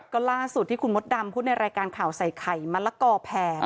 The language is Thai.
ก็ล่าสุดที่คุณมดดำพูดในรายการข่าวใส่ไข่มะละกอแพง